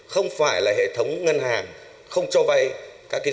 không phải là hệ thống ngân hàng không cho vay các dự án